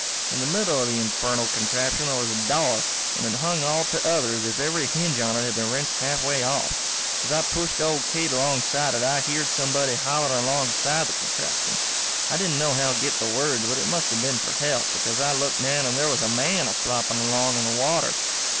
In the middle of the infernal contraption there was a door, and it hung all to other as if every hinge on it had been wrenched halfway off. As I pushed old Kate alongside it I heared somebody hollering alongside the contraption. I didn't nohow get the words but it must have been for help, because I looked down and there was a man a flopping along in the water.